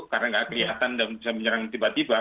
tidak kelihatan dan bisa menyerang tiba tiba